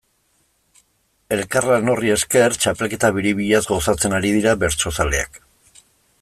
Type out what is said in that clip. Elkarlan horri esker, txapelketa biribilaz gozatzen ari dira bertsozaleak.